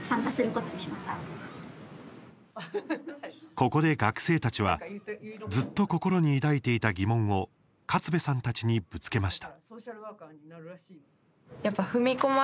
ここで学生たちはずっと心に抱いていた疑問を勝部さんたちにぶつけました。